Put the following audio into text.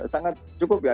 sangat cukup ya